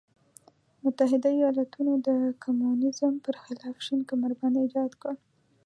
متحده ایالتونو د کمونیزم پر خلاف شین کمربند ایجاد کړ.